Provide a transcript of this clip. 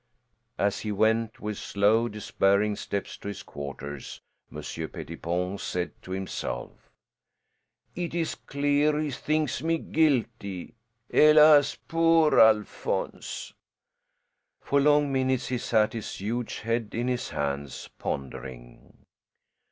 As he went with slow, despairing steps to his quarters Monsieur Pettipon said to himself, "It is clear he thinks me guilty. Helas! Poor Alphonse." For long minutes he sat, his huge head in his hands, pondering.